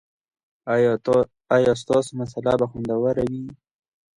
ایا ستاسو مصاله به خوندوره وي؟